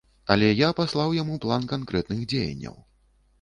Але я паслаў яму план канкрэтных дзеянняў.